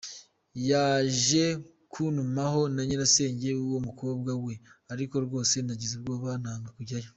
Yaje kuntumaho na nyirasenge w’uwo mukobwa we, ariko rwose nagize ubwoba nanga kujyayo.